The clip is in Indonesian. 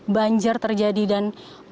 banjir terjadi dan